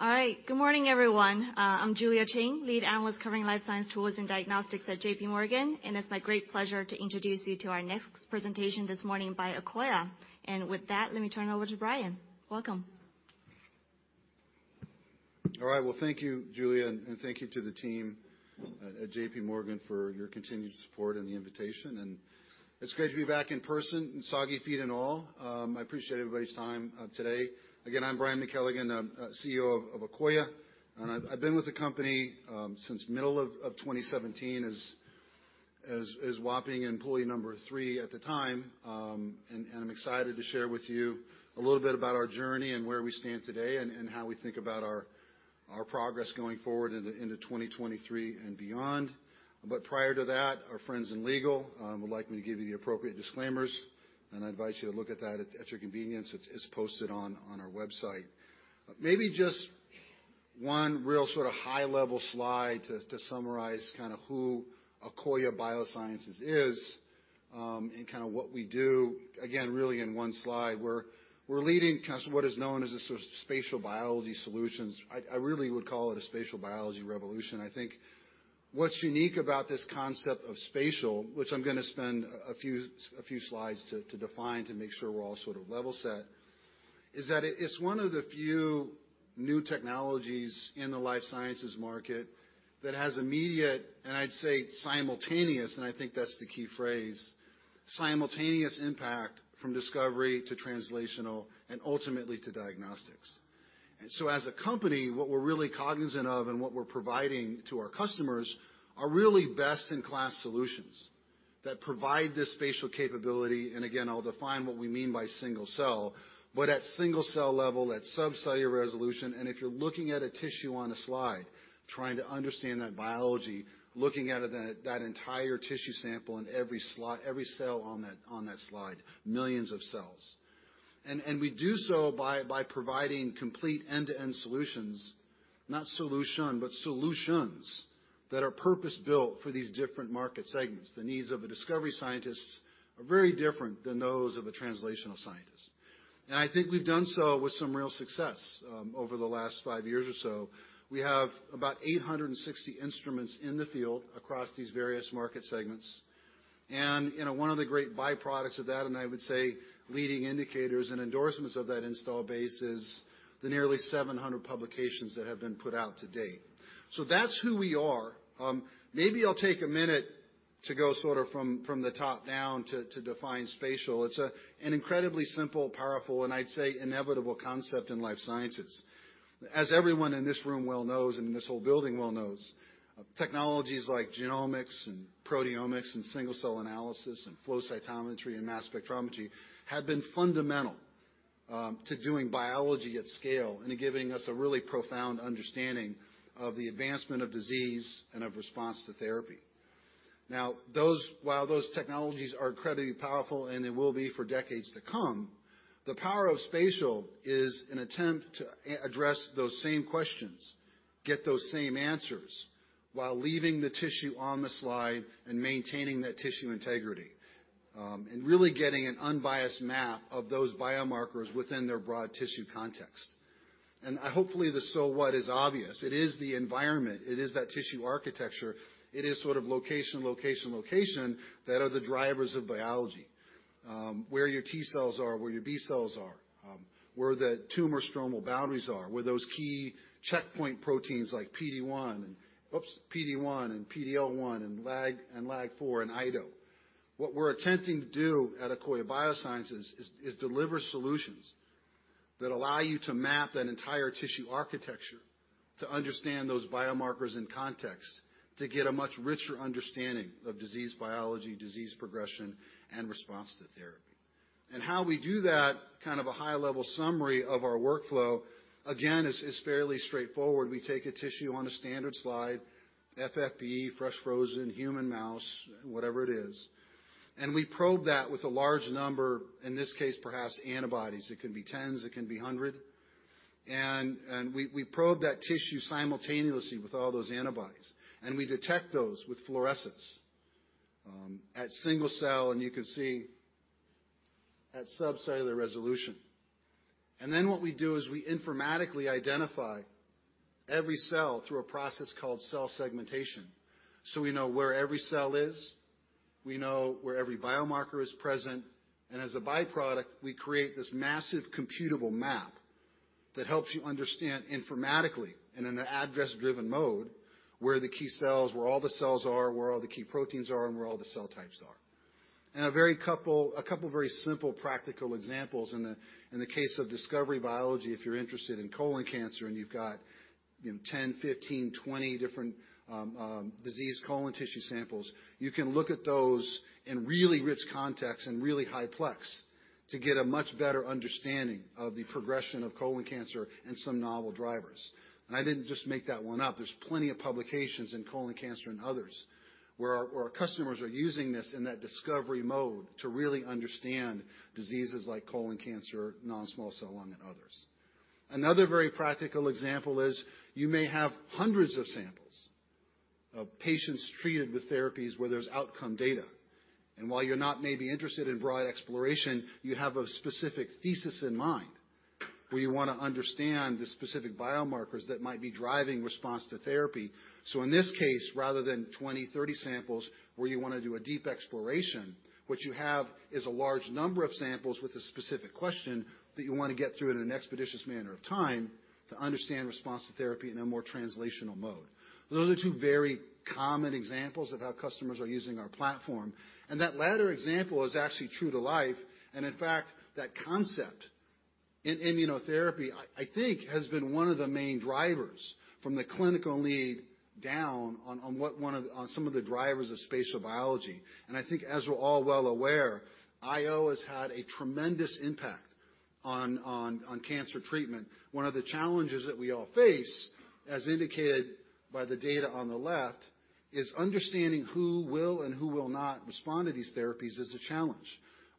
All right. Good morning, everyone. I'm Julia Qin, Lead Analyst covering life science tools and diagnostics at J.P. Morgan. It's my great pleasure to introduce you to our next presentation this morning by Akoya. With that, let me turn it over to Brian. Welcome. All right. Well, thank you, Julia Qin, and thank you to the team at JPMorgan for your continued support and the invitation. It's great to be back in person and soggy feet and all. I appreciate everybody's time today. Again, I'm Brian McKelligon. I'm CEO of Akoya, and I've been with the company since middle of 2017 as whopping employee number 3 at the time. And I'm excited to share with you a little bit about our journey and where we stand today and how we think about our progress going forward into 2023 and beyond. Prior to that, our friends in legal would like me to give you the appropriate disclaimers, and I invite you to look at that at your convenience. It's posted on our website. Maybe just one real sort of high level slide to summarize kinda who Akoya Biosciences is and kinda what we do again, really in one slide. We're leading kind of what is known as a sort of spatial biology solutions. I really would call it a spatial biology revolution. I think what's unique about this concept of spatial, which I'm gonna spend a few slides to define to make sure we're all sort of level set, is that it's one of the few new technologies in the life sciences market that has immediate, and I'd say simultaneous, and I think that's the key phrase, simultaneous impact from discovery to translational and ultimately to diagnostics. As a company, what we're really cognizant of and what we're providing to our customers are really best-in-class solutions that provide this spatial capability, and again, I'll define what we mean by single cell, but at single cell level, at subcellular resolution. If you're looking at a tissue on a slide trying to understand that biology, looking at it, that entire tissue sample in every cell on that slide, millions of cells. We do so by providing complete end-to-end solutions, not solution, but solutions that are purpose-built for these different market segments. The needs of a discovery scientist are very different than those of a translational scientist. I think we've done so with some real success over the last five years or so. We have about 860 instruments in the field across these various market segments. You know, one of the great byproducts of that, and I would say leading indicators and endorsements of that install base is the nearly 700 publications that have been put out to date. That's who we are. Maybe I'll take a minute to go sort of from the top down to define spatial. It's an incredibly simple, powerful, and I'd say inevitable concept in life sciences. As everyone in this room well knows and this whole building well knows, technologies like genomics and proteomics and single-cell analysis and flow cytometry and mass spectrometry have been fundamental to doing biology at scale and to giving us a really profound understanding of the advancement of disease and of response to therapy. Now, while those technologies are incredibly powerful, and they will be for decades to come, the power of spatial is an attempt to address those same questions, get those same answers while leaving the tissue on the slide and maintaining that tissue integrity, and really getting an unbiased map of those biomarkers within their broad tissue context. Hopefully the so what is obvious. It is the environment, it is that tissue architecture, it is sort of location, location that are the drivers of biology. Where your T cells are, where your B cells are, where the tumor stromal boundaries are, where those key checkpoint proteins like PD-1 and PD-L1 and LAG-4 and IDO. What we're attempting to do at Akoya Biosciences is deliver solutions that allow you to map that entire tissue architecture to understand those biomarkers in context, to get a much richer understanding of disease biology, disease progression, and response to therapy. How we do that, kind of a high-level summary of our workflow, again, is fairly straightforward. We take a tissue on a standard slide, FFPE, fresh frozen human mouse, whatever it is, we probe that with a large number, in this case, perhaps antibodies. It can be tens, it can be 100. We probe that tissue simultaneously with all those antibodies, and we detect those with fluorescence at single-cell, and you can see at subcellular resolution. Then what we do is we informatically identify every cell through a process called cell segmentation. We know where every cell is, we know where every biomarker is present, and as a byproduct, we create this massive computable map that helps you understand informatically and in an address-driven mode where the key cells, where all the cells are, where all the key proteins are, and where all the cell types are. A couple of very simple practical examples in the case of discovery biology, if you're interested in colon cancer and you've got 10, 15, 20 different diseased colon tissue samples, you can look at those in really rich context and really high plex to get a much better understanding of the progression of colon cancer and some novel drivers. I didn't just make that one up. There's plenty of publications in colon cancer and others where our customers are using this in that discovery mode to really understand diseases like colon cancer, non-small cell lung, and others. Another very practical example is you may have hundreds of samples of patients treated with therapies where there's outcome data. While you're not maybe interested in broad exploration, you have a specific thesis in mind, where you want to understand the specific biomarkers that might be driving response to therapy. In this case, rather than 20, 30 samples where you want to do a deep exploration, what you have is a large number of samples with a specific question that you want to get through in an expeditious manner of time to understand response to therapy in a more translational mode. Those are two very common examples of how customers are using our platform, and that latter example is actually true to life. In fact, that concept in immunotherapy, I think has been one of the main drivers from the clinical need down on some of the drivers of spatial biology. I think as we're all well aware, IO has had a tremendous impact on cancer treatment. One of the challenges that we all face, as indicated by the data on the left, is understanding who will and who will not respond to these therapies is a challenge.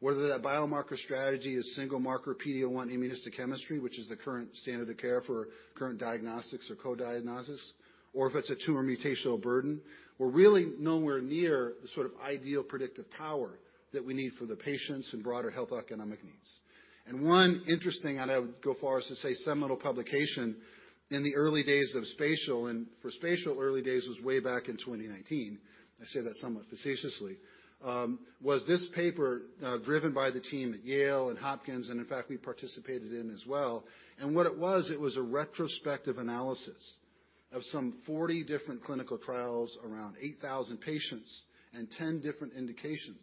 Whether that biomarker strategy is single marker PD-L1 immunohistochemistry, which is the current standard of care for current diagnostics or co-diagnosis, or if it's a tumor mutational burden, we're really nowhere near the sort of ideal predictive power that we need for the patients and broader health economic needs. One interesting, and I would go far as to say seminal publication in the early days of spatial, and for spatial, early days was way back in 2019, I say that somewhat facetiously, was this paper driven by the team at Yale and Hopkins, and in fact we participated in as well. What it was, it was a retrospective analysis of some 40 different clinical trials around 8,000 patients and 10 different indications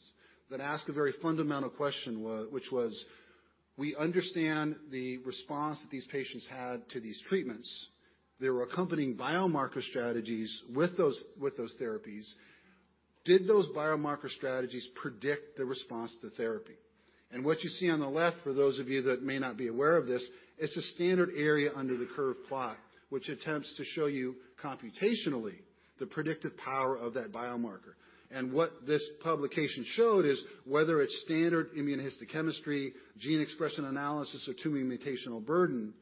that ask a very fundamental question which was, we understand the response that these patients had to these treatments. There were accompanying biomarker strategies with those therapies. Did those biomarker strategies predict the response to therapy? What you see on the left, for those of you that may not be aware of this, it's a standard area under the curve plot, which attempts to show you computationally the predictive power of that biomarker. What this publication showed is whether it's standard immunohistochemistry, gene expression analysis or tumor mutational burden,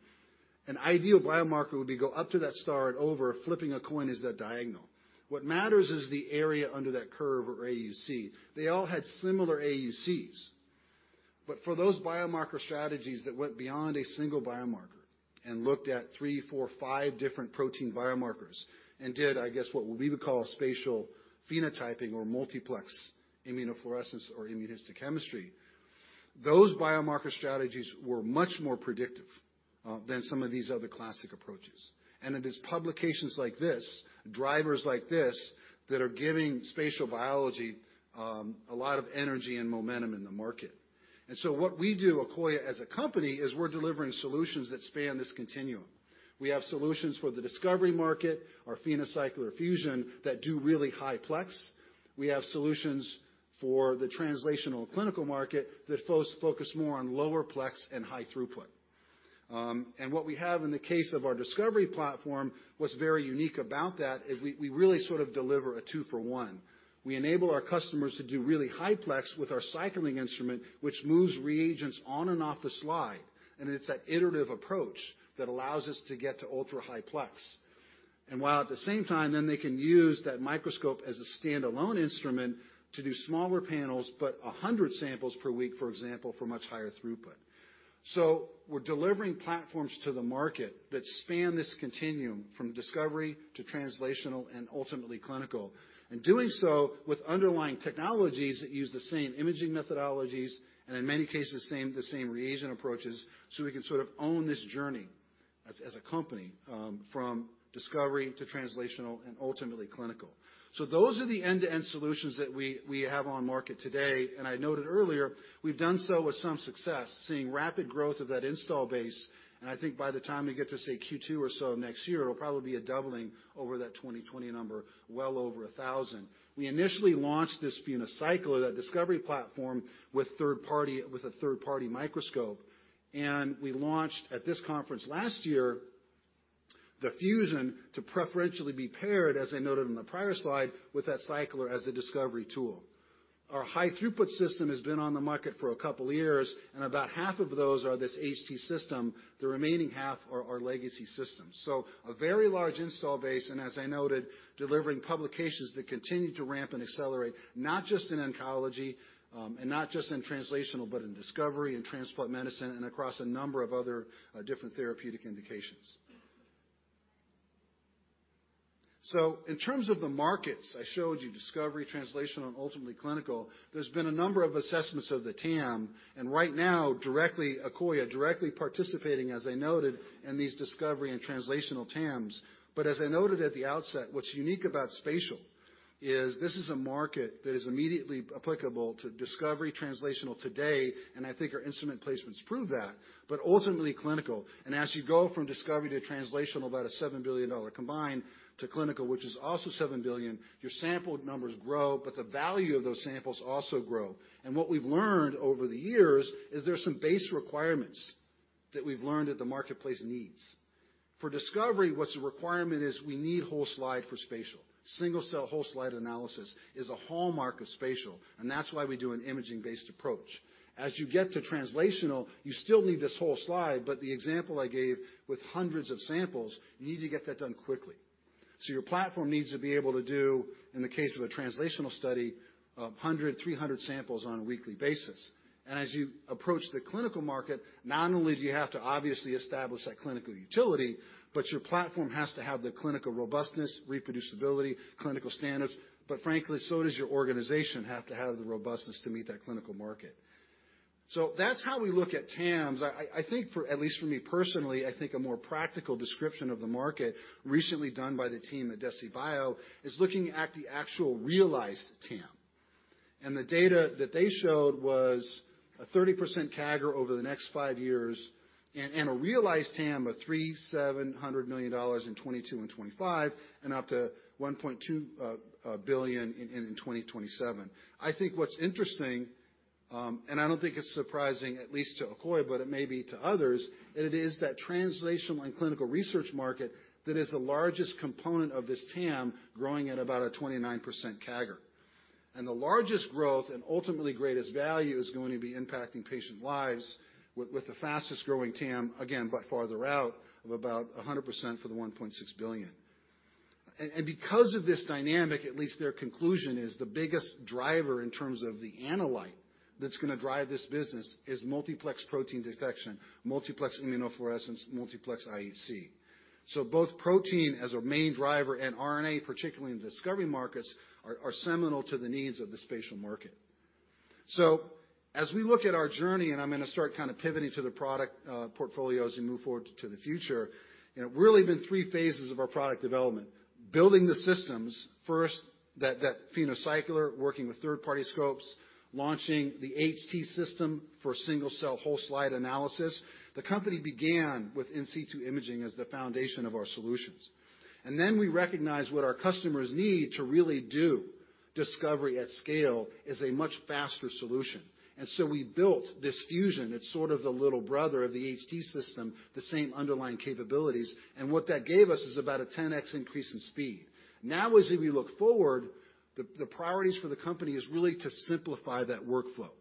an ideal biomarker would be go up to that star and over, flipping a coin is that diagonal. What matters is the area under that curve or AUC. They all had similar AUCs. For those biomarker strategies that went beyond a single biomarker and looked at three, four, five different protein biomarkers and did, I guess, what we would call a spatial phenotyping or multiplex immunofluorescence or immunohistochemistry, those biomarker strategies were much more predictive than some of these other classic approaches. It is publications like this, drivers like this that are giving spatial biology a lot of energy and momentum in the market. What we do, Akoya as a company, is we're delivering solutions that span this continuum. We have solutions for the discovery market, our PhenoCycler-Fusion that do really high-plex. We have solutions for the translational clinical market that focus more on lower-plex and high-throughput. What we have in the case of our discovery platform, what's very unique about that is we really sort of deliver a 2 for 1. We enable our customers to do really high plex with our cycling instrument, which moves reagents on and off the slide, and it's that iterative approach that allows us to get to ultrahigh-plex. While at the same time, then they can use that microscope as a standalone instrument to do smaller panels, but 100 samples per week, for example, for much higher throughput. We're delivering platforms to the market that span this continuum from discovery to translational and ultimately clinical. Doing so with underlying technologies that use the same imaging methodologies and in many cases, the same reagent approaches, so we can sort of own this journey as a company, from discovery to translational and ultimately clinical. Those are the end-to-end solutions that we have on market today. I noted earlier, we've done so with some success, seeing rapid growth of that install base, and I think by the time we get to, say, Q2 or so of next year, it'll probably be a doubling over that 2020 number, well over 1,000. We initially launched this PhenoCycler, that discovery platform, with a third-party microscope, and we launched at this conference last year the Fusion to preferentially be paired, as I noted in the prior slide, with that cycler as the discovery tool. Our high-throughput system has been on the market for a couple years, and about half of those are this HT system, the remaining half are our legacy systems. A very large install base, and as I noted, delivering publications that continue to ramp and accelerate, not just in oncology, and not just in translational, but in discovery, in transplant medicine, and across a number of other different therapeutic indications. In terms of the markets, I showed you discovery, translational, and ultimately clinical. There's been a number of assessments of the TAM, and right now, directly, Akoya directly participating, as I noted, in these discovery and translational TAMs. As I noted at the outset, what's unique about spatial is this is a market that is immediately applicable to discovery, translational today, and I think our instrument placements prove that, but ultimately clinical. As you go from discovery to translational, about a $7 billion combined to clinical, which is also $7 billion, your sample numbers grow, but the value of those samples also grow. What we've learned over the years is there's some base requirements that we've learned that the marketplace needs. For discovery, what's the requirement is we need whole slide for spatial. Single-cell whole slide analysis is a hallmark of spatial, and that's why we do an imaging-based approach. As you get to translational, you still need this whole slide, but the example I gave with hundreds of samples, you need to get that done quickly. Your platform needs to be able to do, in the case of a translational study, 100, 300 samples on a weekly basis. As you approach the clinical market, not only do you have to obviously establish that clinical utility, but your platform has to have the clinical robustness, reproducibility, clinical standards, but frankly, so does your organization have to have the robustness to meet that clinical market. That's how we look at TAMs. I think for at least for me personally, I think a more practical description of the market recently done by the team at DeciBio, is looking at the actual realized TAM. The data that they showed was a 30% CAGR over the next 5 years and a realized TAM of $300 million-$700 million in 2022 and 2025, and up to $1.2 billion in 2027. I think what's interesting, and I don't think it's surprising, at least to Akoya, but it may be to others, it is that translational and clinical research market that is the largest component of this TAM growing at about a 29% CAGR. The largest growth and ultimately greatest value is going to be impacting patient lives with the fastest-growing TAM, again, but farther out of about 100% for the $1.6 billion. Because of this dynamic, at least their conclusion, is the biggest driver in terms of the analyte that's gonna drive this business is multiplex protein detection, multiplex immunofluorescence, multiplex IHC. Both protein as a main driver and RNA, particularly in discovery markets, are seminal to the needs of the spatial market. As we look at our journey, and I'm gonna start kind of pivoting to the product portfolio as we move forward to the future really been three phases of our product development. Building the systems first, that PhenoCycler working with third-party scopes, launching the HT system for single-cell whole slide analysis. The company began with in situ imaging as the foundation of our solutions. Then we recognized what our customers need to really do discovery at scale is a much faster solution. So we built this Fusion, it's sort of the little brother of the HT system, the same underlying capabilities. What that gave us is about a 10x increase in speed. Now, as we look forward, the priorities for the company is really to simplify that workflow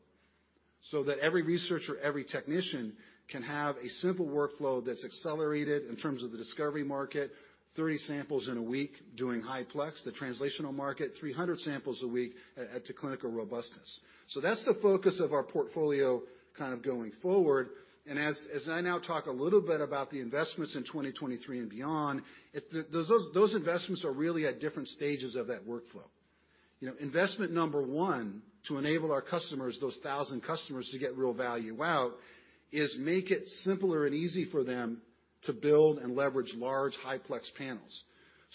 so that every researcher, every technician can have a simple workflow that's accelerated in terms of the discovery market, 30 samples in a week, doing high-plex, the translational market, 300 samples a week at the clinical robustness. That's the focus of our portfolio kind of going forward. As I now talk a little bit about the investments in 2023 and beyond, those investments are really at different stages of that workflow. You know, investment number 1, to enable our customers, those 1,000 customers, to get real value out, is make it simpler and easy for them to build and leverage large high-plex panels.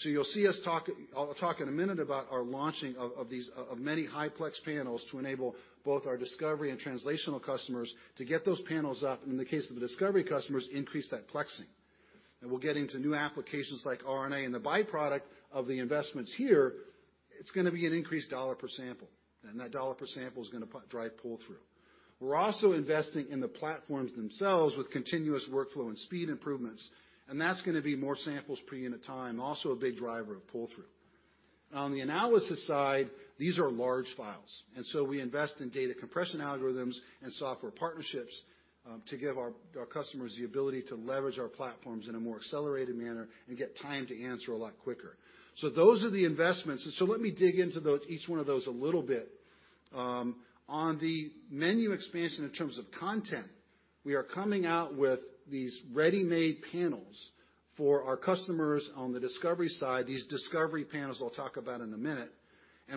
You'll see us talk, I'll talk in a minute about our launching of many high-plex panels to enable both our discovery and translational customers to get those panels up. In the case of the discovery customers, increase that plexing. We'll get into new applications like RNA and the byproduct of the investments here, it's gonna be an increased dollar per sample. That dollar per sample is gonna drive pull-through. We're also investing in the platforms themselves with continuous workflow and speed improvements, and that's gonna be more samples per unit time, also a big driver of pull-through. On the analysis side, these are large files, and so we invest in data compression algorithms and software partnerships to give our customers the ability to leverage our platforms in a more accelerated manner and get time to answer a lot quicker. Those are the investments. Let me dig into each one of those a little bit. On the menu expansion in terms of content, we are coming out with these ready-made panels for our customers on the discovery side, these Discovery Panels I'll talk about in a minute.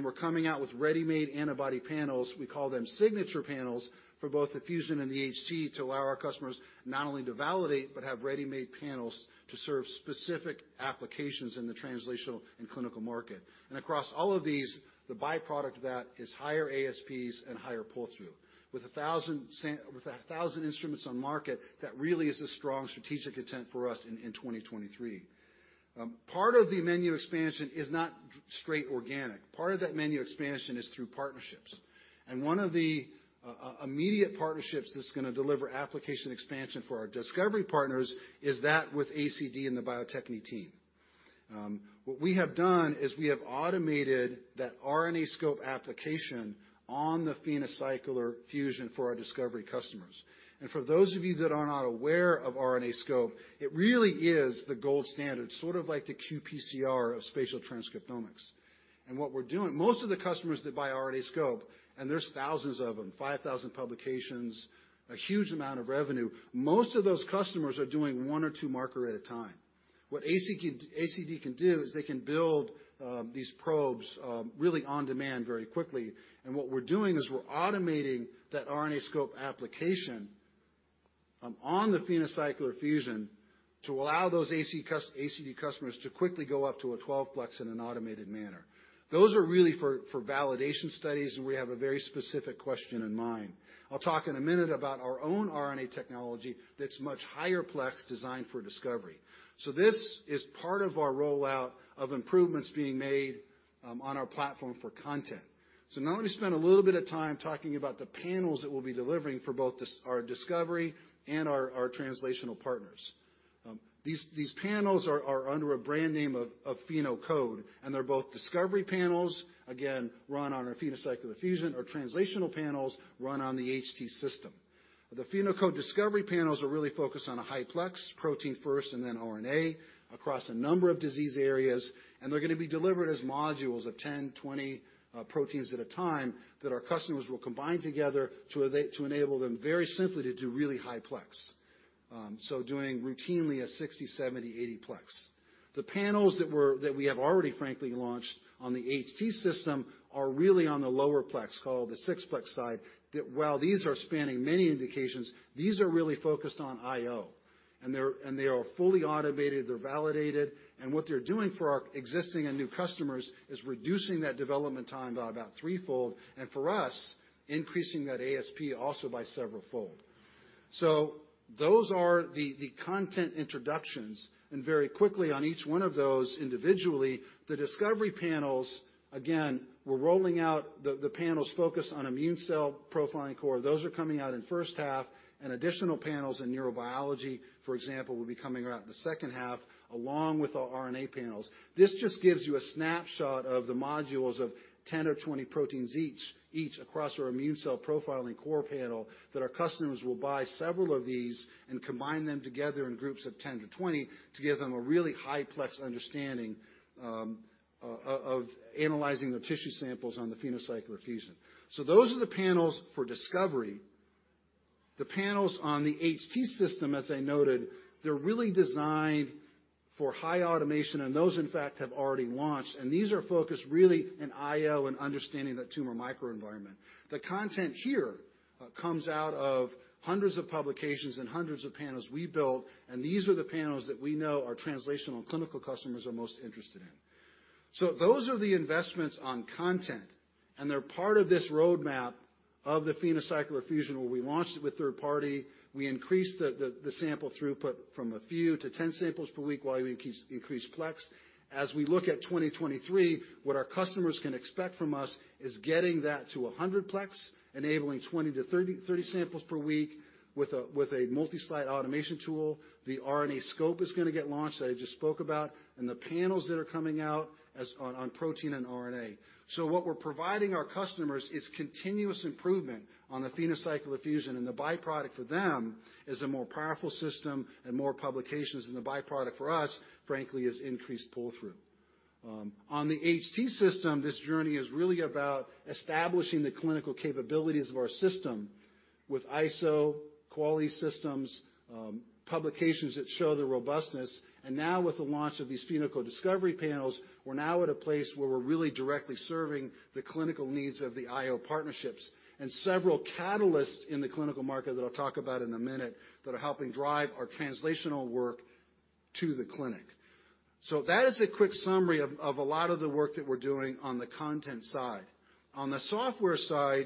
We're coming out with ready-made antibody panels, we call them Signature Panels, for both the Fusion and the HT to allow our customers not only to validate, but have ready-made panels to serve specific applications in the translational and clinical market. Across all of these, the byproduct of that is higher ASPs and higher pull-through. With 1,000 instruments on market, that really is a strong strategic intent for us in 2023. Part of the menu expansion is not straight organic. Part of that menu expansion is through partnerships. One of the immediate partnerships that's gonna deliver application expansion for our discovery partners is that with ACD and the Bio-Techne team. What we have done is we have automated that RNAscope application on the PhenoCycler-Fusion for our discovery customers. For those of you that are not aware of RNAscope, it really is the gold standard, sort of like the qPCR of spatial transcriptomics. Most of the customers that buy RNAscope, and there's thousands of them, 5,000 publications, a huge amount of revenue. Most of those customers are doing 1 or 2 marker at a time. What ACD can do is they can build these probes really on demand very quickly. What we're doing is we're automating that RNAscope application on the PhenoCycler-Fusion to allow those ACD customers to quickly go up to a 12-plex in an automated manner. Those are really for validation studies. We have a very specific question in mind. I'll talk in a minute about our own RNA technology that's much higher plex designed for discovery. This is part of our rollout of improvements being made on our platform for content. Now let me spend a little bit of time talking about the panels that we'll be delivering for both this, our discovery and our translational partners. These panels are under a brand name of PhenoCode. And they're both discovery panels, again, run on our PhenoCycler-Fusion or translational panels run on the HT system. The PhenoCode Discovery Panels are really focused on a high-plex, protein first and then RNA, across a number of disease areas. They're going to be delivered as modules of 10, 20 proteins at a time that our customers will combine together to enable them very simply to do really high-plex. Doing routinely a 60, 70, 80 plex. The panels that we have already frankly launched on the HT system are really on the lower-plex called the 6-plex side that while these are spanning many indications, these are really focused on IO. They are fully automated, they're validated, and what they're doing for our existing and new customers is reducing that development time by about 3-fold, and for us, increasing that ASP also by several fold. Those are the content introductions. Very quickly on each one of those individually, the discovery panels, again, we're rolling out the panels focused on immune cell profiling core. Those are coming out in first half. Additional panels in neurobiology, for example, will be coming out in the second half along with our RNA panels. This just gives you a snapshot of the modules of 10 or 20 proteins each across our immune cell profiling core panel that our customers will buy several of these and combine them together in groups of 10 to 20 to give them a really high plex understanding of analyzing the tissue samples on the PhenoCycler-Fusion. Those are the panels for discovery. The panels on the HT system, as I noted, they're really designed for high automation. Those in fact have already launched. These are focused really in IO and understanding that tumor microenvironment. The content here comes out of hundreds of publications and hundreds of panels we built, and these are the panels that we know our translational clinical customers are most interested in. Those are the investments on content, and they're part of this roadmap of the PhenoCycler-Fusion, where we launched it with third party. We increased the sample throughput from a few to 10 samples per week while we increase plex. We look at 2023, what our customers can expect from us is getting that to 100 plex, enabling 20-30 samples per week with a multi-slide automation tool. The RNAscope is gonna get launched that I just spoke about, and the panels that are coming out on protein and RNA. What we're providing our customers is continuous improvement on the PhenoCycler-Fusion, and the byproduct for them is a more powerful system and more publications. The byproduct for us, frankly, is increased pull-through. On the HT system, this journey is really about establishing the clinical capabilities of our system with ISO, quality systems, publications that show the robustness. Now with the launch of these PhenoCode Discovery Panels, we're now at a place where we're really directly serving the clinical needs of the IO partnerships and several catalysts in the clinical market that I'll talk about in a minute that are helping drive our translational work to the clinic. That is a quick summary of a lot of the work that we're doing on the content side. On the software side,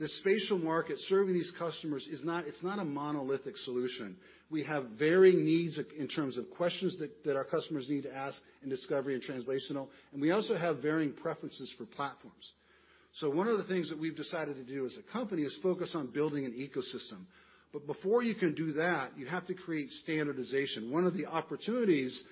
the spatial market serving these customers is not a monolithic solution. We have varying needs in terms of questions that our customers need to ask in discovery and translational. We also have varying preferences for platforms. One of the things that we've decided to do as a company is focus on building an ecosystem. Before you can do that, you have to create standardization. One of the opportunities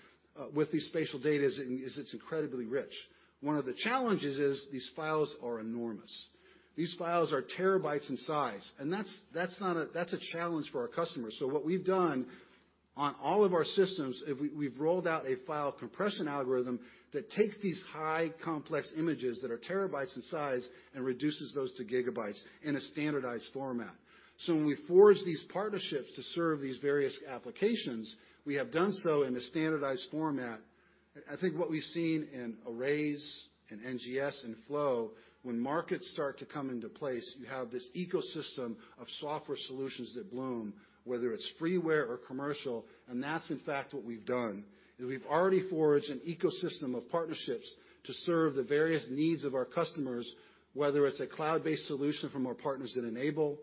with these spatial data is it's incredibly rich. One of the challenges is these files are enormous. These files are terabytes in size, and that's a challenge for our customers. What we've done on all of our systems, we've rolled out a file compression algorithm that takes these high complex images that are terabytes in size and reduces those to gigabytes in a standardized format. When we forge these partnerships to serve these various applications, we have done so in a standardized format. I think what we've seen in arrays and NGS and flow, when markets start to come into place, you have this ecosystem of software solutions that bloom, whether it's freeware or commercial, and that's in fact what we've done, is we've already forged an ecosystem of partnerships to serve the various needs of our customers, whether it's a cloud-based solution from our partners that enable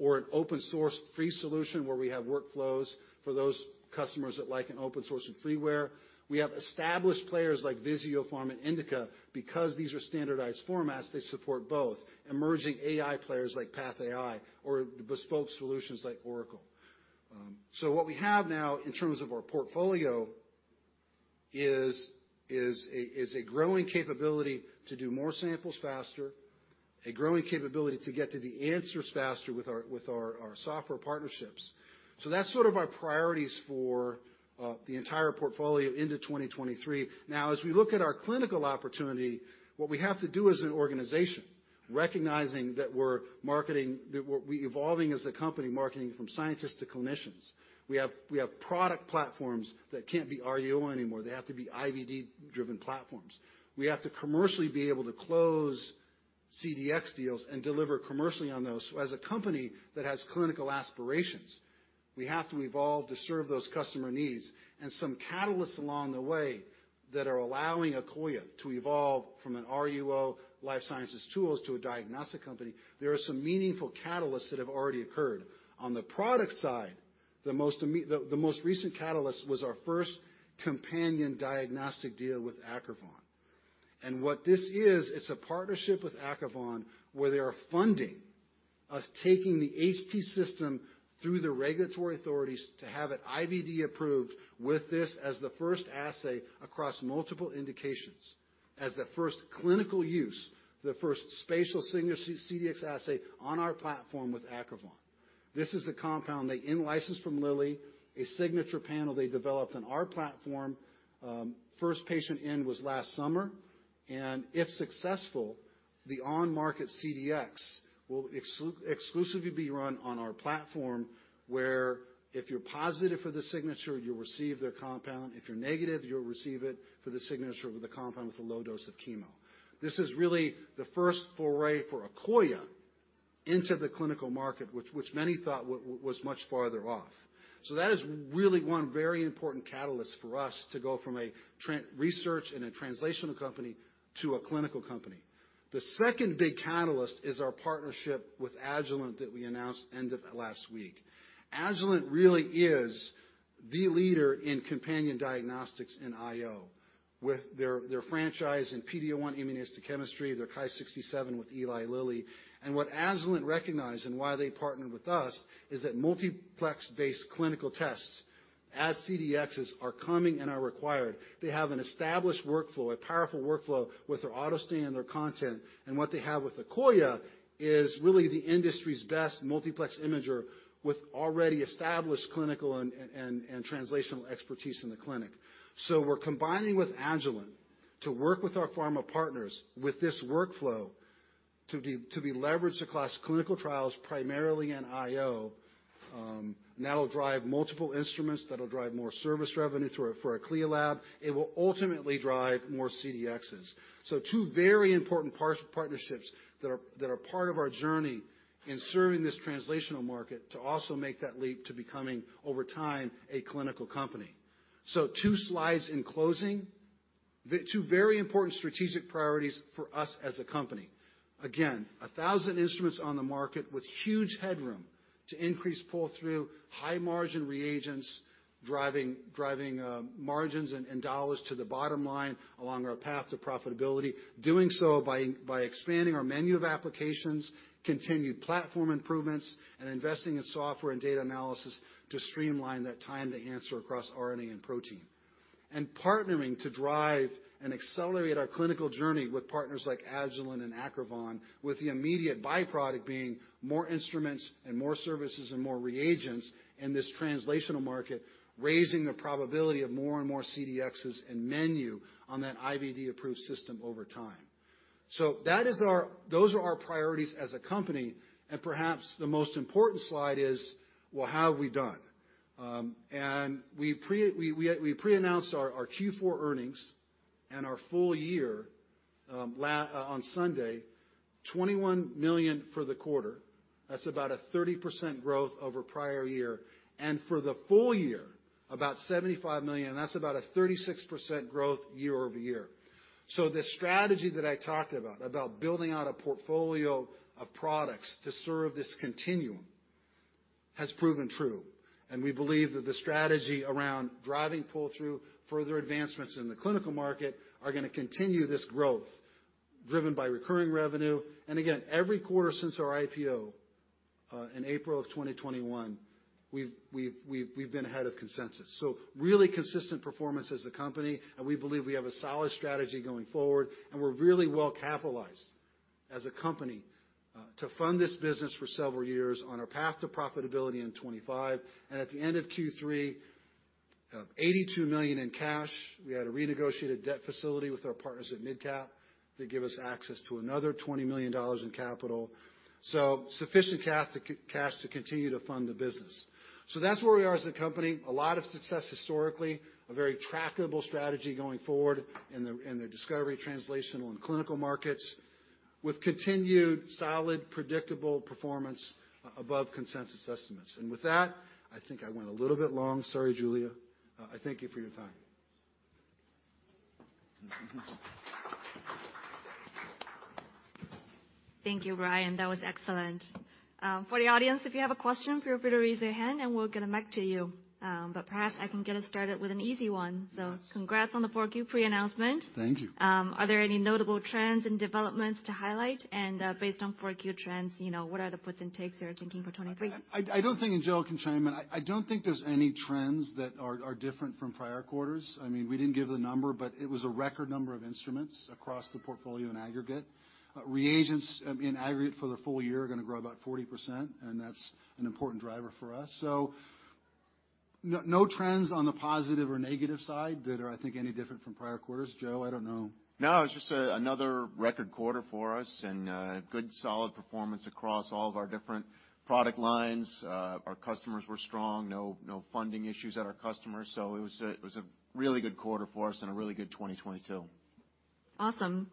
or an open source free solution where we have workflows for those customers that like an open source and freeware. We have established players like Visiopharm and Indica. These are standardized formats, they support both. Emerging AI players like PathAI or bespoke solutions like Oracle. What we have now in terms of our portfolio is a growing capability to do more samples faster, a growing capability to get to the answers faster with our software partnerships. That's sort of our priorities for the entire portfolio into 2023. Now, as we look at our clinical opportunity, what we have to do as an organization, recognizing that we're evolving as a company marketing from scientists to clinicians. We have product platforms that can't be RUO anymore. They have to be IVD-driven platforms. We have to commercially be able to close CDX deals and deliver commercially on those. As a company that has clinical aspirations, we have to evolve to serve those customer needs and some catalysts along the way that are allowing Akoya to evolve from an RUO life sciences tools to a diagnostic company. There are some meaningful catalysts that have already occurred. On the product side, the most recent catalyst was our first companion diagnostic deal with Acrivon. What this is, it's a partnership with Acrivon where they are funding-Us taking the HT system through the regulatory authorities to have it IVD approved with this as the first assay across multiple indications, as the first clinical use, the first spatial signature CDX assay on our platform with Acrivon. This is the compound they in-licensed from Lilly, a signature panel they developed on our platform. First patient in was last summer. If successful, the on-market CDX will exclusively be run on our platform where if you're positive for the signature, you'll receive their compound. If you're negative, you'll receive it for the signature with the compound with a low dose of chemo. This is really the first foray for Akoya into the clinical market, which many thought was much farther off. That is really one very important catalyst for us to go from a research and a translational company to a clinical company. The second big catalyst is our partnership with Agilent that we announced end of last week. Agilent really is the leader in companion diagnostics in IO with their franchise in PD-1 immunohistochemistry, their Ki-67 with Eli Lilly. What Agilent recognized and why they partnered with us is that multiplex-based clinical tests as cDXs are coming and are required. They have an established workflow, a powerful workflow with their autostain and their content, and what they have with Akoya is really the industry's best multiplex imager with already established clinical and translational expertise in the clinic. We're combining with Agilent to work with our pharma partners with this workflow to be leveraged across clinical trials, primarily in IO, and that'll drive multiple instruments, that'll drive more service revenue for a CLIA lab. It will ultimately drive more cDXs. Two very important partnerships that are part of our journey in serving this translational market to also make that leap to becoming, over time, a clinical company. Two slides in closing. The two very important strategic priorities for us as a company. 1,000 instruments on the market with huge headroom to increase pull-through, high-margin reagents, driving margins and dollars to the bottom line along our path to profitability. Doing so by expanding our menu of applications, continued platform improvements, and investing in software and data analysis to streamline that time to answer across RNA and protein. Partnering to drive and accelerate our clinical journey with partners like Agilent and Acrivon, with the immediate byproduct being more instruments and more services and more reagents in this translational market, raising the probability of more and more CDX and menu on that IVD-approved system over time. Those are our priorities as a company, perhaps the most important slide is, well, how have we done? We pre-announced our Q4 earnings and our full year on Sunday, $21 million for the quarter. That's about a 30% growth over prior year. For the full year, about $75 million, that's about a 36% growth year-over-year. The strategy that I talked about building out a portfolio of products to serve this continuum has proven true, and we believe that the strategy around driving pull-through, further advancements in the clinical market are gonna continue this growth driven by recurring revenue. Again, every quarter since our IPO in April of 2021, we've been ahead of consensus. Really consistent performance as a company, we believe we have a solid strategy going forward, we're really well capitalized as a company to fund this business for several years on our path to profitability in 2025. At the end of Q3, $82 million in cash, we had a renegotiated debt facility with our partners at MidCap that give us access to another $20 million in capital. Sufficient cash to continue to fund the business. That's where we are as a company. A lot of success historically, a very trackable strategy going forward in the discovery, translational, and clinical markets with continued solid, predictable performance above consensus estimates. With that, I think I went a little bit long. Sorry, Julia. I thank you for your time. Thank you, Brian. That was excellent. For the audience, if you have a question, feel free to raise your hand, and we'll get them back to you. Perhaps I can get us started with an easy one. Yes. Congrats on the 4Q pre-announcement. Thank you. Are there any notable trends and developments to highlight? Based on 4Q trends what are the puts and takes you are thinking for 2023? I don't think, and Joe can chime in, I don't think there's any trends that are different from prior quarters. I mean, we didn't give the number, but it was a record number of instruments across the portfolio in aggregate. Reagents, in aggregate for the full year are gonna grow about 40%, and that's an important driver for us. No trends on the positive or negative side that are, I think, any different from prior quarters. Joe, I don't know. No, it's just another record quarter for us and good solid performance across all of our different product lines. Our customers were strong. No funding issues at our customers. It was a really good quarter for us and a really good 2022. Awesome.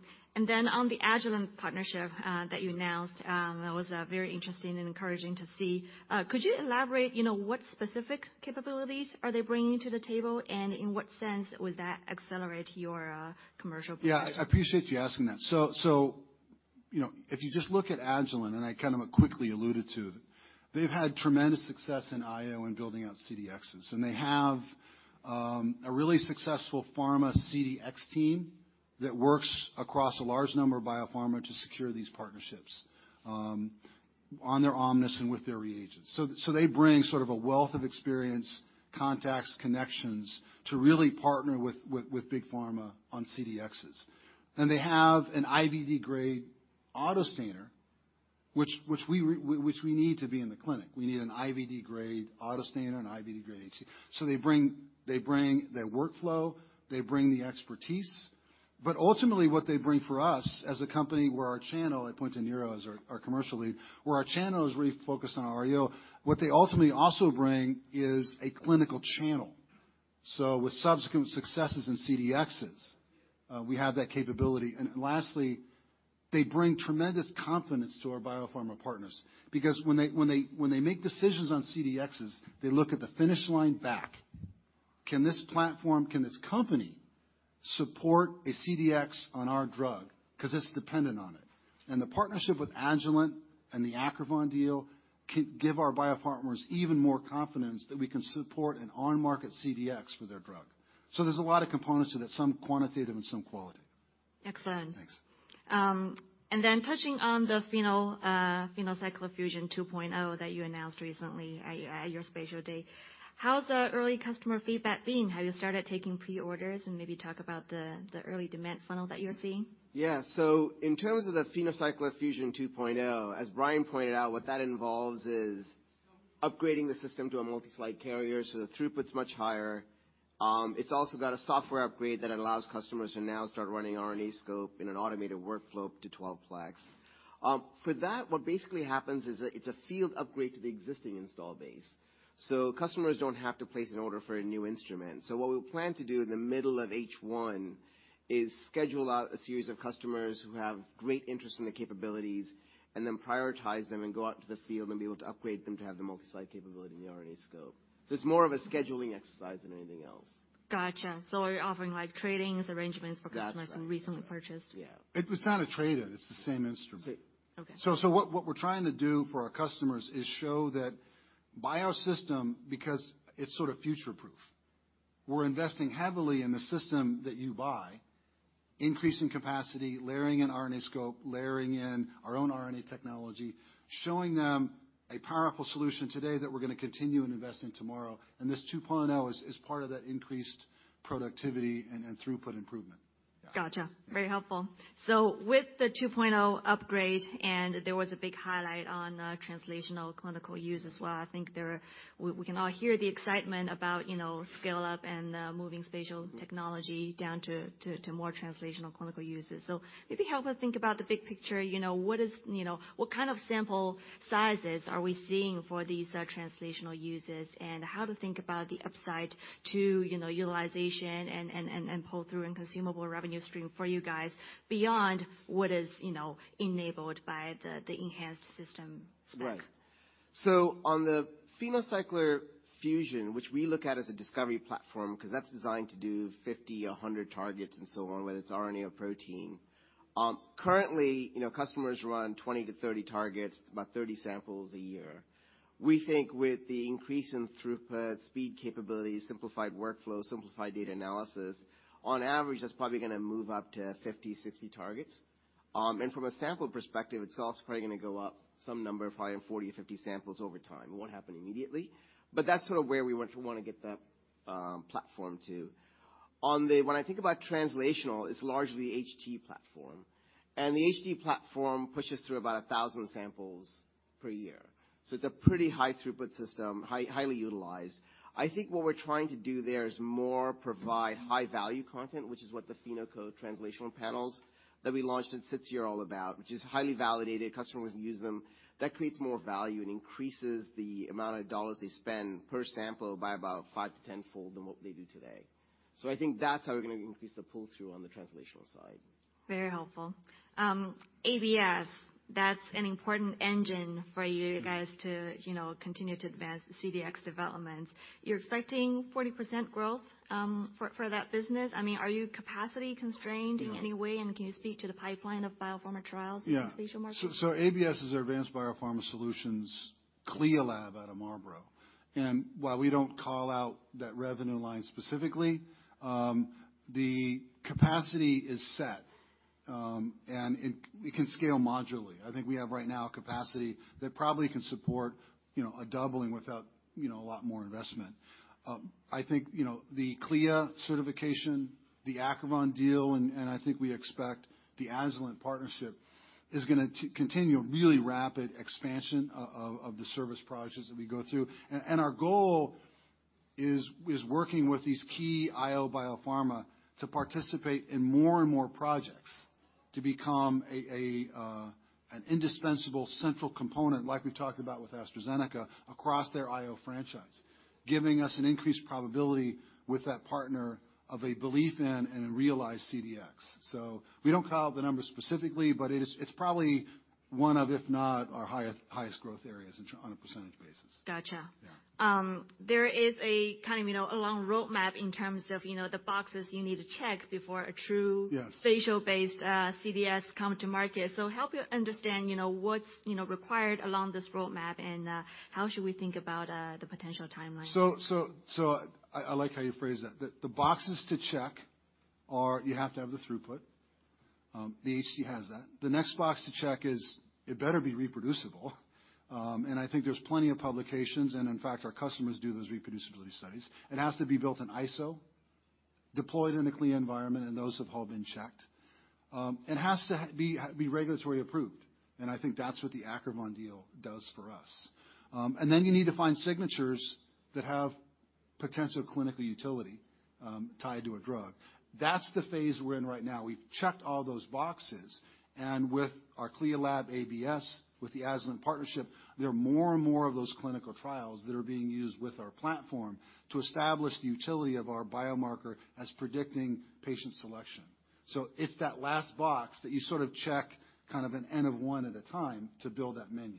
Then on the Agilent partnership, that you announced, that was very interesting and encouraging to see. Could you elaborate what specific capabilities are they bringing to the table, and in what sense would that accelerate your commercial position? Yeah, I appreciate you asking that. You know, if you just look at Agilent, and I kind of quickly alluded to, they've had tremendous success in IO in building out CDXs, and they have a really successful pharma CDX team that works across a large number of biopharma to secure these partnerships on their Omnis and with their reagents. They bring sort of a wealth of experience, contacts, connections to really partner with big pharma on CDXs. They have an IVD-grade autostainer, which we need to be in the clinic. We need an IVD-grade autostainer, an IVD-grade HT. They bring the workflow, they bring the expertise. Ultimately, what they bring for us as a company where our channel, I point to Niro as our commercial lead, where our channel is really focused on our RUO, what they ultimately also bring is a clinical channel. With subsequent successes in CDXs, we have that capability. Lastly, they bring tremendous confidence to our biopharma partners because when they make decisions on CDXs, they look at the finish line back. Can this platform, can this company support a CDX on our drug? 'Cause it's dependent on it. The partnership with Agilent and the Acrivon deal give our biopharmas even more confidence that we can support an on-market CDX for their drug. There's a lot of components to that, some quantitative and some quality. Excellent. Thanks. Touching on the PhenoCycler-Fusion 2.0 that you announced recently at your spatial day, how's the early customer feedback been? Have you started taking pre-orders? Maybe talk about the early demand funnel that you're seeing. Yeah. In terms of the PhenoCycler-Fusion 2.0, as Brian pointed out, what that involves is upgrading the system to a multi-slide carrier, so the throughput's much higher. It's also got a software upgrade that allows customers to now start running RNAscope in an automated workflow up to 12-plex. For that, what basically happens is that it's a field upgrade to the existing install base, so customers don't have to place an order for a new instrument. What we plan to do in the middle of H1 is schedule out a series of customers who have great interest in the capabilities and then prioritize them and go out into the field and be able to upgrade them to have the multi-site capability in the RNAscope. It's more of a scheduling exercise than anything else. Gotcha. Are you offering, like, trading arrangements for- That's right. customers who recently purchased? Yeah. It was not a trade-in, it's the same instrument. Same. Okay. What we're trying to do for our customers is show that buy our system because it's sort of future proof. We're investing heavily in the system that you buy, increasing capacity, layering in RNAscope, layering in our own RNA technology, showing them a powerful solution today that we're gonna continue in investing tomorrow. This 2.0 is part of that increased productivity and throughput improvement. Yeah. Gotcha. Very helpful. With the 2.0 upgrade, and there was a big highlight on translational clinical use as well. We can all hear the excitement about scale up and moving spatial technology down to more translational clinical uses. Maybe help us think about the big picture what kind of sample sizes are we seeing for these translational uses, and how to think about the upside to utilization and pull-through and consumable revenue stream for you guys beyond what is enabled by the enhanced system spec? Right. On the PhenoCycler-Fusion, which we look at as a discovery platform, 'cause that's designed to do 50, 100 targets and so on, whether it's RNA or protein, currently customers run 20-30 targets, about 30 samples a year. We think with the increase in throughput, speed capabilities, simplified workflows, simplified data analysis, on average, that's probably gonna move up to 50, 60 targets. And from a sample perspective, it's also probably gonna go up some number, probably 40 or 50 samples over time. It won't happen immediately, but that's sort of where we want to get that platform to. When I think about translational, it's largely HT platform, and the HT platform pushes through about 1,000 samples per year. It's a pretty high throughput system, highly utilized. I think what we're trying to do there is more provide high-value content, which is what the PhenoCode Translational Panels that we launched at SITC here are all about, which is highly validated, customers use them. That creates more value and increases the amount of dollars they spend per sample by about five to tenfold than what they do today. I think that's how we're gonna increase the pull-through on the translational side. Very helpful. ABS, that's an important engine for you guys to continue to advance the CDX developments. You're expecting 40% growth, for that business. Are you capacity-constrained in any way? Yeah. Can you speak to the pipeline of biopharma trials? Yeah. in the spatial market? ABS is our Advanced Biopharma Solutions CLIA lab out of Marlborough. While we don't call out that revenue line specifically, the capacity is set, and it can scale modularly. I think we have right now a capacity that probably can support a doubling without a lot more investment. I think the CLIA certification, the Acrivon deal, and I think we expect the Agilent partnership is gonna continue a really rapid expansion of the service projects that we go through. And our goal is working with these key IO biopharma to participate in more and more projects to become an indispensable central component, like we talked about with AstraZeneca, across their IO franchise, giving us an increased probability with that partner of a belief in and a realized CDX. We don't call out the numbers specifically, but it is. It's probably one of, if not, our highest growth areas on a percentage basis. Gotcha. Yeah. There is a kind of a long roadmap in terms of the boxes you need to check before a. Yes. -spatial-based CDX come to market. Help me understand what's required along this roadmap, and how should we think about the potential timeline? I like how you phrase that. The boxes to check are you have to have the throughput. The PhenoImager HT has that. The next box to check is it better be reproducible. I think there's plenty of publications, and in fact, our customers do those reproducibility studies. It has to be built in ISO, deployed in a CLIA environment, and those have all been checked. It has to be regulatory approved, and I think that's what the Acrivon deal does for us. You need to find signatures that have potential clinical utility tied to a drug. That's the phase we're in right now. We've checked all those boxes, and with our CLIA Lab ABS, with the Aslyn partnership, there are more and more of those clinical trials that are being used with our platform to establish the utility of our biomarker as predicting patient selection. It's that last box that you sort of check kind of an N of 1 at a time to build that menu.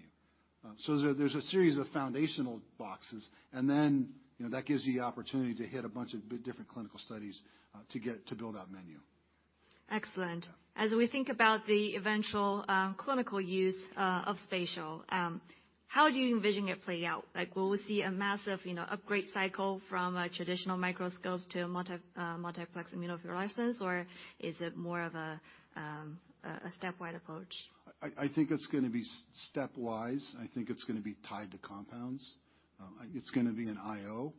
There, there's a series of foundational boxes, and then that gives you the opportunity to hit a bunch of big different clinical studies, to build out menu. Excellent. Yeah. As we think about the eventual, clinical use, of spatial, how do you envision it play out? Like, will we see a massive upgrade cycle from a traditional microscopes to multiplex immunofluorescence, or is it more of a stepwide approach? I think it's gonna be stepwise. I think it's gonna be tied to compounds. It's gonna be an IO,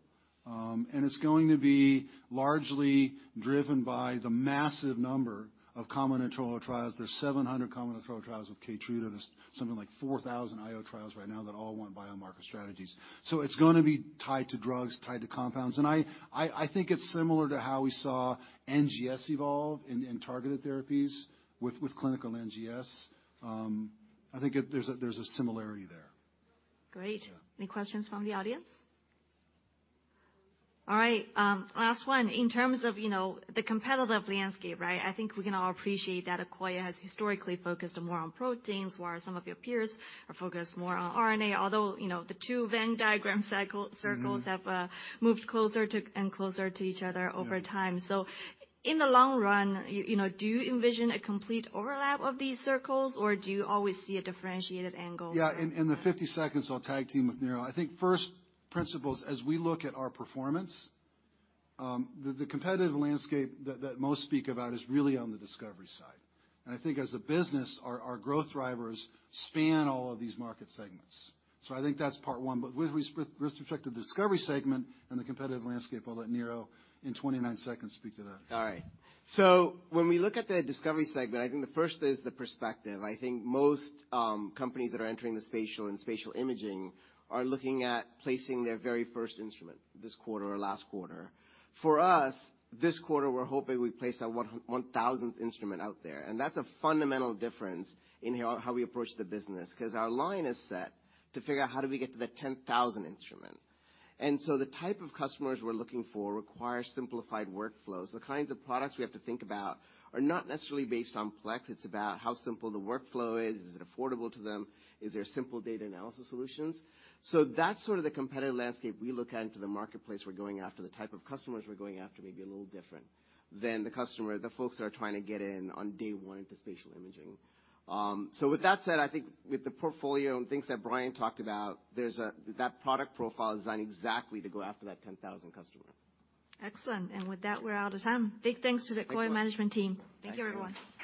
and it's going to be largely driven by the massive number of common control trials. There's 700 common control trials with Keytruda. There's something like 4,000 IO trials right now that all want biomarker strategies. It's gonna be tied to drugs, tied to compounds. I think it's similar to how we saw NGS evolve in targeted therapies with clinical NGS. I think there's a similarity there. Great. Yeah. Any questions from the audience? All right, last one. In terms of the competitive landscape, right? I think we can all appreciate that Akoya has historically focused more on proteins while some of your peers are focused more on RNA, although the two Venn diagram circles. Mm-hmm have moved closer to and closer to each other over time. Yeah. In the long run do you envision a complete overlap of these circles, or do you always see a differentiated angle? Yeah. In the 50 seconds, I'll tag team with Niro. I think first principles, as we look at our performance, the competitive landscape that most speak about is really on the discovery side. I think as a business, our growth drivers span all of these market segments. I think that's part one. With respect to the discovery segment and the competitive landscape, I'll let Niro in 29 seconds speak to that. All right. When we look at the discovery segment, I think the first is the perspective. I think most companies that are entering the spatial and spatial imaging are looking at placing their very first instrument this quarter or last quarter. For us, this quarter, we're hoping we place our 1,000th instrument out there. That's a fundamental difference in how we approach the business, because our line is set to figure out how do we get to the 10,000 instrument. The type of customers we're looking for require simplified workflows. The kinds of products we have to think about are not necessarily based on plex, it's about how simple the workflow is. Is it affordable to them? Is there simple data analysis solutions? That's sort of the competitive landscape we look at into the marketplace we're going after. The type of customers we're going after may be a little different than the customer, the folks that are trying to get in on day one to spatial imaging. With that said, I think with the portfolio and things that Brian talked about, that product profile is designed exactly to go after that 10,000 customer. Excellent. With that, we're out of time. Big thanks to the Akoya management team. Thank you. Thank you. Thank you, everyone.